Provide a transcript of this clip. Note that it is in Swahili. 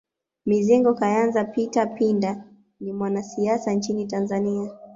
Mizengo Kayanza Peter Pinda ni mwanasiasa nchini Tanzania